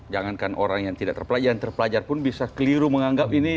jangankan orang yang tidak terpelajar terpelajar pun bisa keliru menganggap ini